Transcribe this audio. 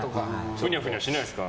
ふにゃふにゃしないですか？